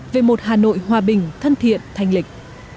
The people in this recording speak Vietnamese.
về một hà nội hòa bình thân thiện thanh lịch